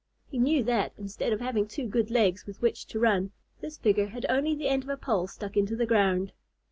He knew that, instead of having two good legs with which to run, this figure had only the end of a pole stuck into the ground.